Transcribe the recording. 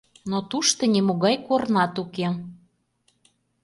но тушто нимогай корнат уке;